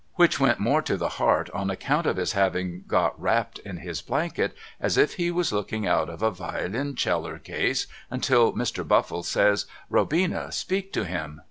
' Which went more to the heart on account of his having got wrapped in his blanket as if he was looking out of a violinceller case, until Mr. Buffle says ' Robina speak to him